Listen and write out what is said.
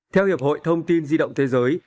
theo hiệp hội thông tin di động thế giới